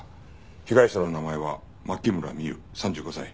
被害者の名前は牧村美優３５歳。